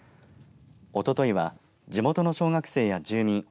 おとといは、地元の小学生や住民